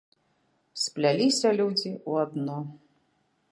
Спляліся людзі ў адно.